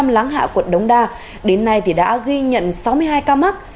láng hạ quận đống đa đến nay thì đã ghi nhận sáu mươi hai ca mắc